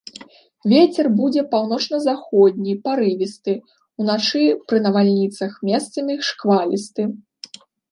Вецер будзе паўночна-заходні парывісты, уначы пры навальніцах месцамі шквалісты.